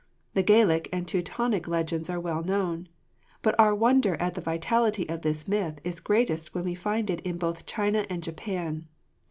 The Gaelic and Teutonic legends are well known. But our wonder at the vitality of this myth is greatest when we find it in both China and Japan.